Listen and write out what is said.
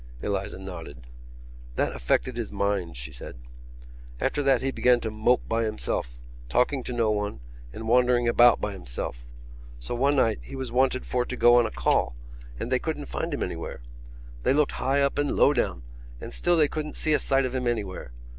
Eliza nodded. "That affected his mind," she said. "After that he began to mope by himself, talking to no one and wandering about by himself. So one night he was wanted for to go on a call and they couldn't find him anywhere. They looked high up and low down; and still they couldn't see a sight of him anywhere.